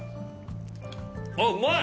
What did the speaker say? あっうまい！